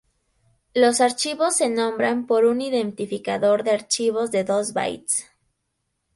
Los archivos se nombran por un identificador de archivo de dos bytes.